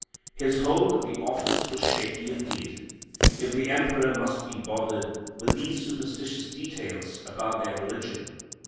His hold of the office was shaky indeed if the emperor must be bothered with these superstitious details about their religion.